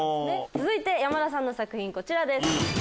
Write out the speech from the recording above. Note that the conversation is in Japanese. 続いて山田さんの作品こちらです。